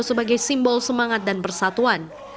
sebagai simbol semangat dan persatuan